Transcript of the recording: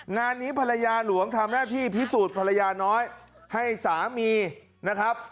งานนี้ภรรยาหลวงทำหน้าที่พิสูจน์ภรรยาน้อยให้สามีนะครับ